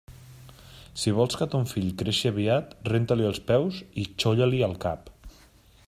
Si vols que ton fill creixi aviat, renta-li els peus i xolla-li el cap.